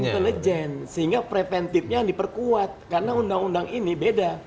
intelijen sehingga preventifnya diperkuat karena undang undang ini beda